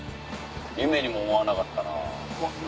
夢にも思わなかったな。